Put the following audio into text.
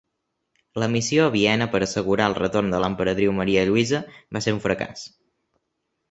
La missió a Viena per assegurar el retorn de l'emperadriu Maria Lluïsa va ser un fracàs.